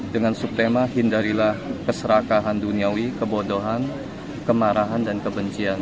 dengan subtema hindarilah keserakahan duniawi kebodohan kemarahan dan kebencian